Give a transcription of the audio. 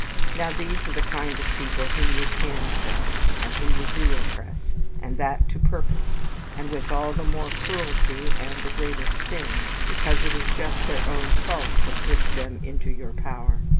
Now these are the kind of people whom you can oppress, and whom you do oppress, and that to purpose, and with all the more cruelty and the greater sting, because it is just their own fault that puts them into your power.